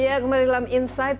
ya kembali dalam insight